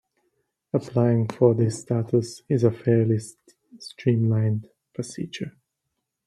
Applying for this status is a fairly streamlined procedure.